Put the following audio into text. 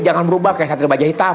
jangan berubah kayak santri baja hitam